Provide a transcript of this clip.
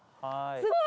すごい！